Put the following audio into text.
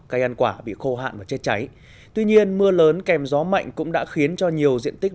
cây ăn quả bị khô hạn và chết cháy tuy nhiên mưa lớn kèm gió mạnh cũng đã khiến cho nhiều diện tích